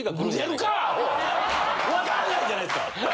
わかんないじゃないですか。